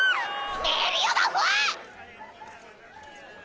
メリオダフ！